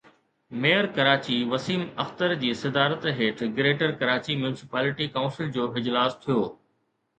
mayor Karachi Waseem Akhtar جي صدارت هيٺ گريٽر ڪراچي ميونسپالٽي ڪائونسل جو اجلاس ٿيو